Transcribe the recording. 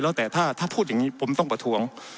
แล้วแต่ถ้าพูดอย่างนี้ผมต้องประท้วง